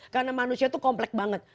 karena manusia itu komplek banget